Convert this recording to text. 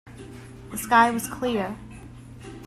The sky was clear.